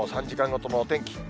３時間ごとのお天気。